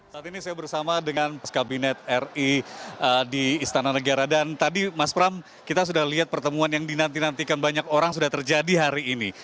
saat ini saya bersama dengan kabinet ri di istana negara dan tadi mas pram kita sudah lihat pertemuan yang dinantikan banyak orang sudah terjadi hari ini